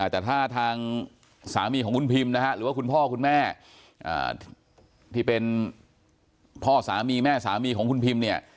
แต่ถ้าทางสามีของคุณพิมนะฮะหรือว่าคุณพ่อคุณแม่ที่เป็นพ่อสามีแม่สามีของคุณพิมเนี่ย